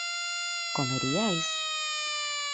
¿comeríais?